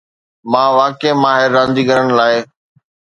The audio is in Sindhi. مان واقعي ماهر رانديگر لاءِ